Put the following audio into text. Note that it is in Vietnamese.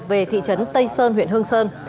về thị trấn tây sơn huyện hương sơn